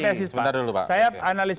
ini hipotesis sebentar dulu pak saya analis